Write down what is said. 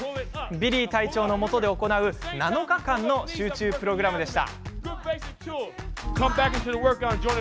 ビリー隊長のもとで行う７日間の集中プログラムです。